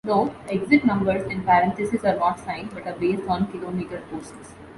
Note: exit numbers in parentheses are not signed, but are based on kilometre posts.